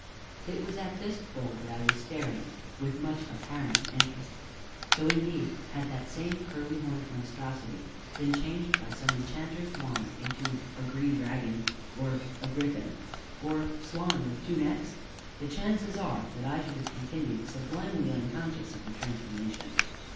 It was at this bull that I was staring with much apparent interest, though indeed, had that same curly horned monstrosity been changed by some enchanter's wand into a green dragon or griffin, or swan with two necks, the chances are that I should have continued sublimely unconscious of the transformation.